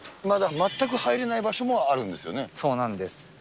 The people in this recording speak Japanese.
まだ全く入れない場所もあるそうなんです。